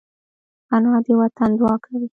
انا د وطن دعا کوي